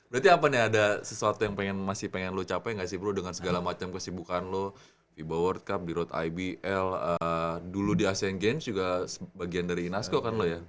berarti apa nih ada sesuatu yang masih pengen lo capai gak sih bro dengan segala macam kesibukan lo fiba world cup di road ibl dulu di asean games juga bagian dari inasco kan lo ya